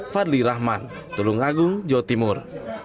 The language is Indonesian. fadli rahman tulung agung jawa timur